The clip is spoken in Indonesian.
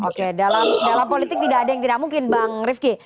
oke dalam politik tidak ada yang tidak mungkin bang rifki